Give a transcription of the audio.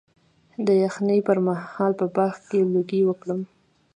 د یخنۍ پر مهال په باغ کې لوګی وکړم؟